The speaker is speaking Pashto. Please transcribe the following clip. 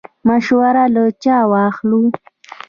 مشوره له چا واخلو؟